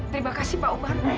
terima kasih pak umar